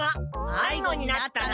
まいごになったな？